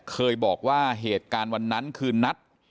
เคยบอกว่าเหตุการณ์วันนั้นคือนัด